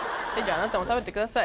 あなたも食べてください。